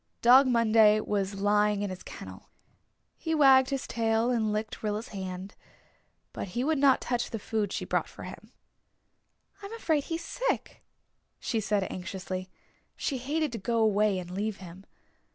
Dog Monday was lying in his kennel. He wagged his tail and licked Rilla's hand. But he would not touch the food she brought for him. "I'm afraid he's sick," she said anxiously. She hated to go away and leave him.